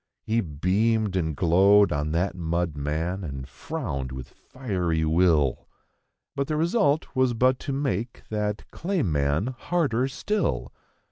He beamed and glowed on that mud man and frowned with fiery will. But the result was but to make that clay man harder still.